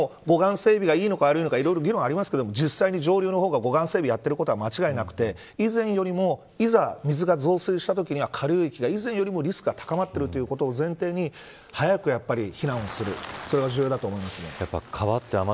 これは護岸整備がいいのか悪いのか議論はありますが実際に、上流の方が整備をやってるのは間違いなくて以前、水が増水したときには下流域は以前よりもリスクが高まっていることを前提に早く非難をすることが重要だと思います。